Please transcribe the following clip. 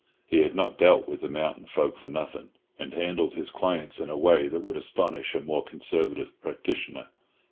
He had not dealt with the mountain folk for nothing, and handled his clients in a way that would astonish a more conservative practitioner.